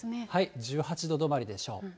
１８度止まりでしょう。